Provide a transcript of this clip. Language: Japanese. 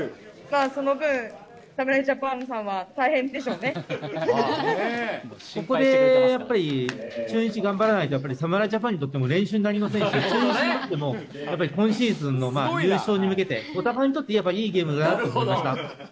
その分、侍ジャパンさんは、ここでやっぱり中日頑張らないと、やっぱり、侍ジャパンにとっても練習になりませんし、中日にとっても、やっぱり今シーズンの優勝に向けて、お互いにとってやっぱいいゲームだったと思いました。